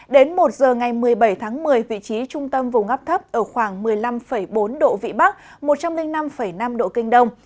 đến một giờ ngày một mươi bảy tháng một mươi vị trí trung tâm vùng áp thấp ở khoảng một mươi năm bốn độ vĩ bắc một trăm linh năm năm độ kinh đông